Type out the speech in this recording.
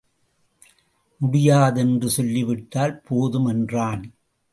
முடியாது என்று சொல்லி விட்டால் போதும்! என்றான்.